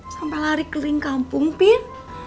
sampai lari ke lingkampung pin